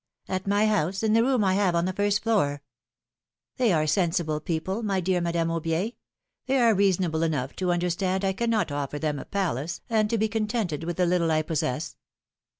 "At my house, in the room I have on the first floor I philom^nf/s marriages. 55 They are sensible people, my dear Madame Aiibier ; they are reasonable enough to understand I cannot offer them a palace, and to be contented with the little I possess.